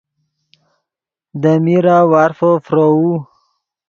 دے میرہ وارفو فروؤ